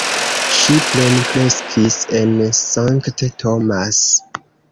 Ŝi plenkreskis en St. Thomas.